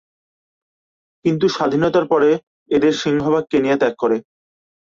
কিন্তু স্বাধীনতার পরে এদের সিংহভাগ কেনিয়া ত্যাগ করে।